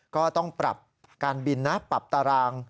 ก็ต้องปรับการบินนะปรับตาราง